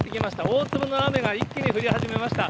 大粒の雨が一気に降り始めました。